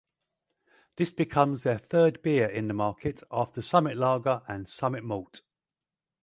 This becomes their third beer in the market after Summit Lager and Summit Malt.